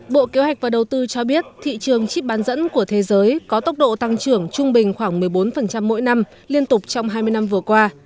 bộ kế hoạch và đầu tư cho biết thị trường chip bán dẫn của thế giới có tốc độ tăng trưởng trung bình khoảng một mươi bốn mỗi năm liên tục trong hai mươi năm vừa qua